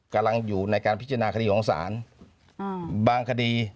กำลังอยู่ในการพิจารณาคดีของศาลบางคดี